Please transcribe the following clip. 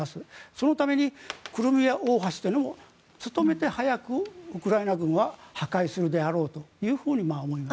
そのためにクリミア大橋というのも努めて早くウクライナ軍は破壊するであろうと思います。